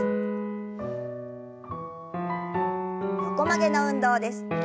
横曲げの運動です。